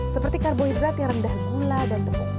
seperti karbohidrat yang rendah gula dan tepuk